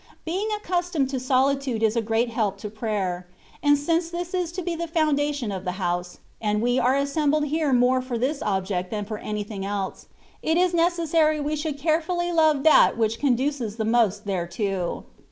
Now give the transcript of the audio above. Being accustomed to solitude is a great help to prayer ; and since this is to be the foundation of the house, and we are assembled here more for this object than for anything else, it is necessary we should carefully love that which conduces the most thereto.